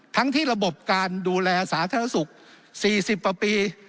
ทั้งที่ระบบการดูแลสาธารณสุขสี่สิบป่ะปี